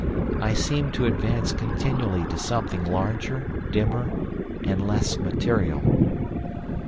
I seemed to advance continually to something larger, dimmer, and less material.